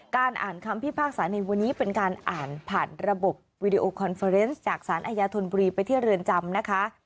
อ่านคำพิพากษาในวันนี้เป็นการอ่านผ่านระบบวีดีโอคอนเฟอร์เนสจากสารอาญาธนบุรีไปที่เรือนจำนะคะ